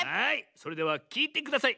それではきいてください。